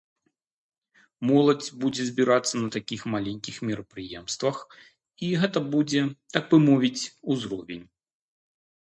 Моладзь будзе збірацца на такіх маленькіх мерапрыемствах, і гэта будзе, так бы мовіць, узровень.